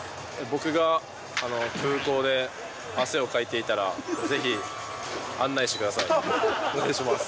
僕が空港で汗をかいていたら、ぜひ案内してください。